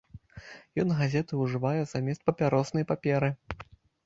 Ён газеты ўжывае замест папяроснай паперы.